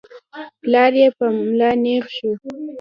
پلار يې په ملا نېغ شو.